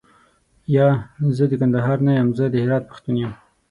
یا، زه د کندهار نه یم زه د هرات پښتون یم.